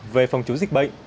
về phòng chống dịch bệnh